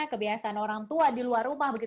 kebiasaan orang tua di luar rumah